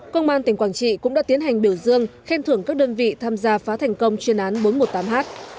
công an tỉnh quảng trị cũng đã tiến hành biểu dương khen thưởng các đơn vị tham gia phá thành công chuyên án bốn trăm một mươi tám h